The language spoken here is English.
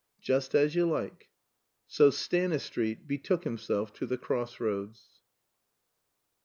"Just as you like." So Stanistreet betook himself to "The Cross Roads."